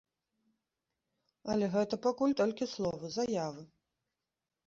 Але гэта пакуль толькі словы, заявы.